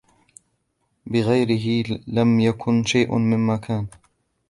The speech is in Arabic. بغيره لم يكن شيء مما كان.